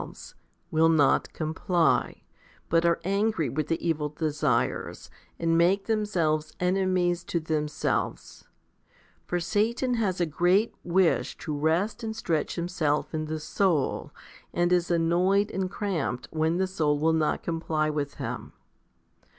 8 Eph. vi. 1 6. 1 32 FIFTY SPIRITUAL HOMILIES will not comply, but are angry with the evil desires, and make themselves enemies to themselves. For Satan has a great wish to rest and stretch himself in the soul, and is annoyed and cramped when the soul will not comply with him.